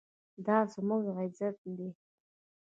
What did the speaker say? دا زموږ عزت دی